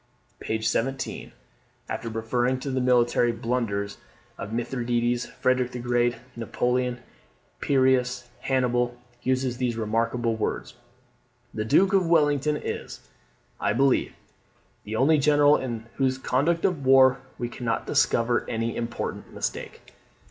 p. 17.] after referring to the military "blunders" of Mithridates, Frederick the Great, Napoleon, Pyrrhus, and Hannibal, uses these remarkable words, "The Duke of Wellington is, I believe, the only general in whose conduct of war we cannot discover any important mistake."